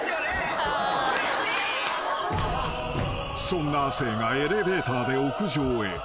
［そんな亜生がエレベーターで屋上へ］